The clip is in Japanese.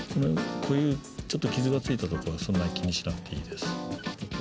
こういうちょっと傷がついたところはそんなに気にしなくていいです。